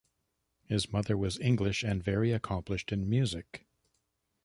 His mother was English and very accomplished in music.